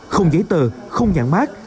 không giấy tờ không nhạc mát